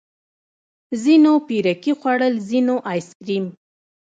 ځينو پيركي خوړل ځينو ايس کريم.